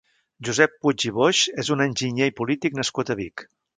Josep Puig i Boix és un enginyer i polític nascut a Vic.